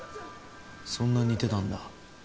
そんな似てたんだ？